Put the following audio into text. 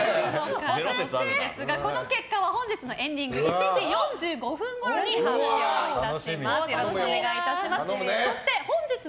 この結果は本日のエンディングで１時４５分ごろに発表いたします。